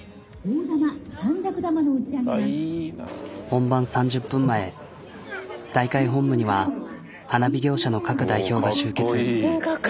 本番３０分前大会本部には花火業者の各代表が集結。